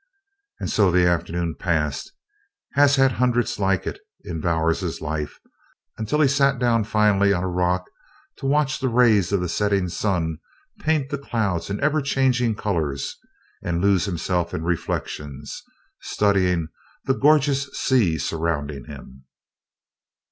And so the afternoon passed as had hundreds like it in Bowers's life until he sat down finally on a rock to watch the rays of the setting sun paint the clouds in ever changing colors and lose himself in reflections, studying the gorgeous sea surrounding him.